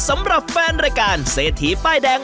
สำหรับแฟนรายการเศรษฐีป้ายแดง